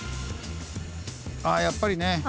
ああやっぱりね！